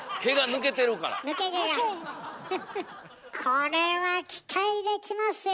これは期待できますよ！